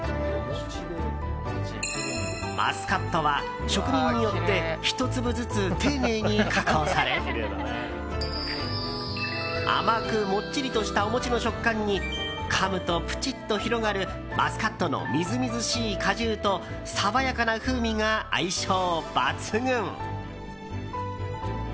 マスカットは職人によって１粒ずつ丁寧に加工され甘くもっちりとしたお餅の食感にかむとプチッと広がるマスカットのみずみずしい果汁と爽やかな風味が相性抜群。